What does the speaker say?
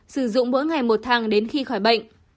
sử dụng mỗi ngày một tháng đến khi khỏi bệnh